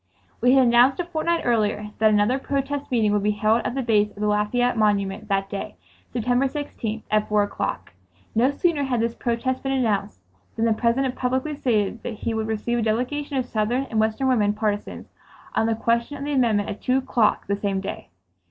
We had announced a fortnight earlier that another protest meeting would be held at the base of the Lafayette Monument that day, September 16th, at four o'clock. No sooner had this protest been announced than the President publicly stated that he would receive a delegation of Southern and Western women partisans on the question of the amendment at two o'clock the same day.